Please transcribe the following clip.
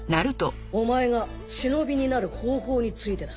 お前が忍になる方法についてだ。